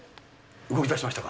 動きだしましたか？